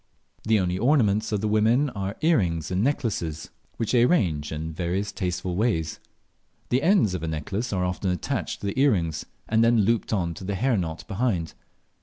The only ornaments of the women are earrings and necklaces, which they arrange in various tasteful ways. The ends of a necklace are often attached to the earrings, and then looped on to the hair knot behind.